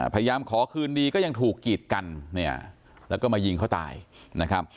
พยายามขอคืนดีก็ยังถูกกีดกันเนี่ยแล้วก็มายิงเขาตายนะครับ